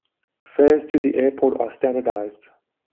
Fares to the airport are standardized.